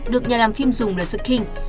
được nhà làm phim dùng là rực king